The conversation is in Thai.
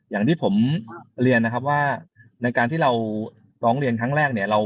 อย่างที่ผมเรียนว่าในการที่เราล้องเรียนครั้งแรก